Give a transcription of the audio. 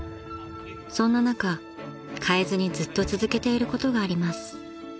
［そんな中変えずにずっと続けていることがあります］